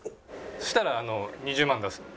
そしたら２０万出すので。